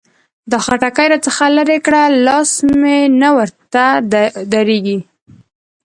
دا خټکي را څخه لري کړه؛ لاس مې نه ورته درېږي.